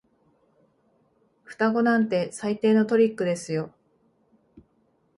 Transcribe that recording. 双子なんて最低のトリックですよ。